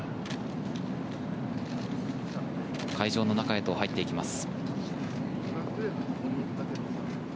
会場の中へと入っていきます。